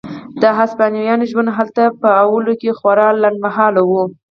د هسپانویانو ژوند هلته په لومړیو کې خورا لنډ مهاله و.